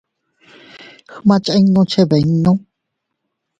Gma chinnu chebinnu.